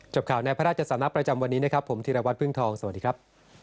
ข่าวในพระราชสำนักประจำวันนี้นะครับผมธีรวัตรพึ่งทองสวัสดีครับ